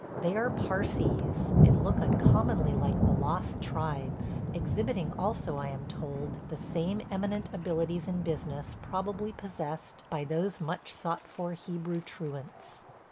They are Parsees, and look uncommonly like the lost tribes – exhibiting also, I am told, the same eminent abilities in business probably possessed by those much sought for Hebrew truants.